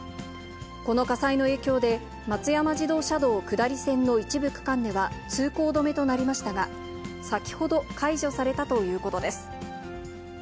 この火災の影響で、松山自動車道下り線の一部区間では、通行止めとなりましたが、先ほど解除されたということです。